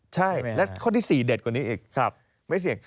ใช่แล้วข้อที่สี่เด็ดกว่านี้อีก